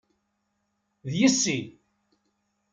D yessi!